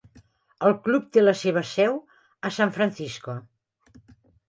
El club té la seva seu a San Francisco.